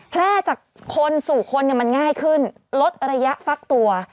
แพร่จากคนสู่คนมันง่ายขึ้นลดระยะฟักตัว